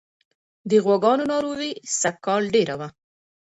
د غواګانو ناروغي سږکال ډېره وه.